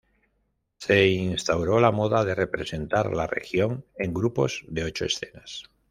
Se instauró la moda de representar la región en grupos de ocho escenas.